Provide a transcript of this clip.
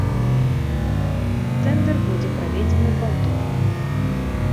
Тэндар будзе праведзены паўторна.